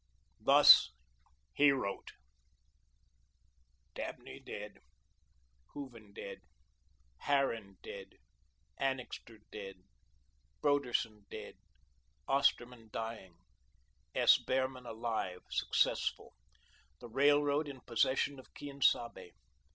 Thus he wrote: "Dabney dead, Hooven dead, Harran dead, Annixter dead, Broderson dead, Osterman dying, S. Behrman alive, successful; the Railroad in possession of Quien Sabe.